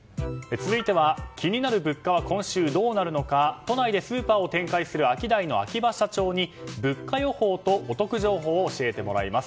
続いては気になる物価は今週どうなるのか都内でスーパーを展開するアキダイの秋葉社長に物価予報とお得情報を教えてもらいます。